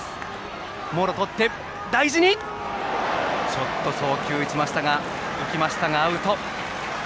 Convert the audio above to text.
ちょっと送球が浮きましたがアウト。